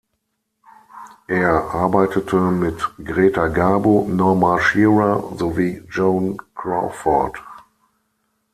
Er arbeitete mit Greta Garbo, Norma Shearer sowie Joan Crawford.